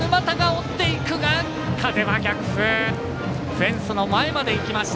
フェンスの前まで行きました。